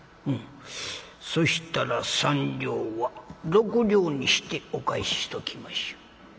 「うん。そしたら３両は６両にしてお返ししときましょう。